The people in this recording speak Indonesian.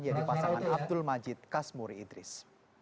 yaitu pasangan abdul majid kasmuri idris